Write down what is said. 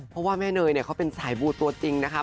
เพราะว่าแม่เนยเนี่ยเขาเป็นสายบูตัวจริงนะคะ